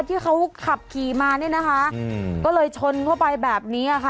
ที่เขาขับขี่มาเนี่ยนะคะก็เลยชนเข้าไปแบบนี้ค่ะ